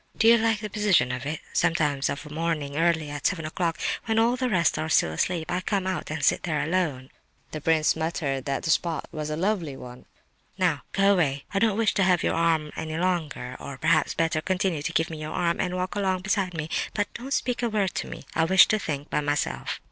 "Do you like the position of it? Sometimes of a morning early, at seven o'clock, when all the rest are still asleep, I come out and sit there alone." The prince muttered that the spot was a lovely one. "Now, go away, I don't wish to have your arm any longer; or perhaps, better, continue to give me your arm, and walk along beside me, but don't speak a word to me. I wish to think by myself."